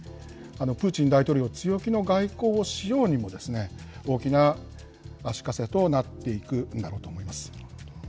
プーチン大統領、強気の外交をしようにも、大きな足かせとなっていくんだろうと思います。